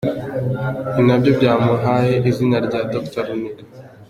Ni nabyo byamuhaye izina rya Dr Runiga.